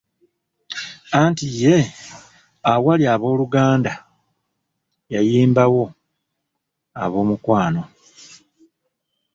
Anti ye, awaali "Abooluganda" yayimbawo "Aboomukwano".